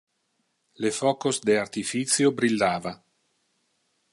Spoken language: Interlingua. Le focos de artificio brillava.